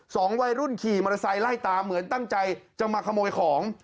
วัยรุ่นขี่มอเตอร์ไซค์ไล่ตามเหมือนตั้งใจจะมาขโมยของ